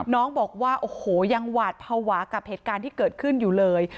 น้องบอกว่าโอ้โหยังหวาดภาวะกับเหตุการณ์ที่เกิดขึ้นอยู่เลย